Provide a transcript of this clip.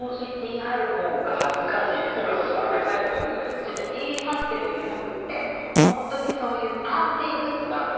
違う違う言い張ってるんじゃなくてホントにそういうパーティーグッズがあるの。